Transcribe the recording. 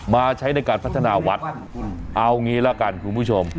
ใช้ในการพัฒนาวัดเอางี้ละกันคุณผู้ชม